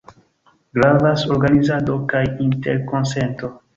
Gravas organizado kaj interkonsento.